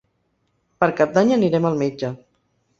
Per Cap d'Any anirem al metge.